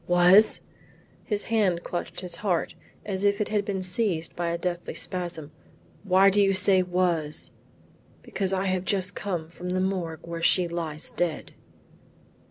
"Was?" His hand clutched his heart as if it had been seized by a deathly spasm. "Why do you say was?" "Because I have just come from the Morgue where she lies dead."